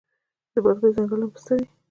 د بادغیس ځنګلونه پسته دي